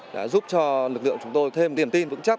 đã giúp cho lực lượng chúng tôi thêm tiềm tin vững chấp